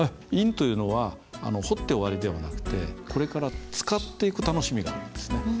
印というのは彫って終わりではなくてこれから使っていく楽しみがあるんですね。